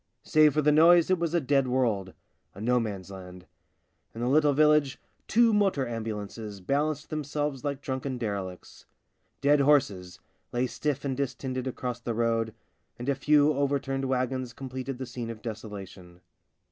Save for the noise it was a Dead World — a no man's land. In the little village two motor ambulances balanced themselves like drunken derelicts. Dead horses lay stiff and distended across the road, and a few overturned wagons completed the scene of desolation.